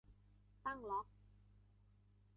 ตั้งล็อก